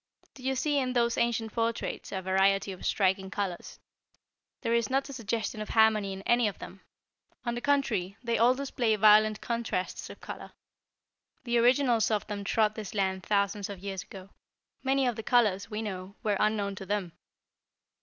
Do you see in those ancient portraits a variety of striking colors? There is not a suggestion of harmony in any of them. On the contrary, they all display violent contrasts of color. The originals of them trod this land thousands of years ago. Many of the colors, we know, were unknown to them.